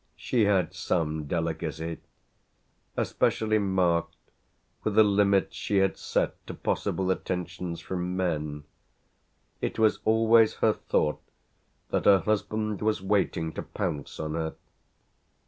she had some delicacy. Especially marked were the limits she had set to possible attentions from men: it was always her thought that her husband was waiting to pounce on her.